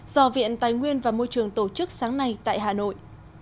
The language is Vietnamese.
do viện tài nguyên và môi trường tổ chức sáng nay tại hà nội